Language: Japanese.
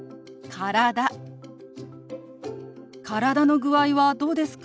「体の具合はどうですか？」。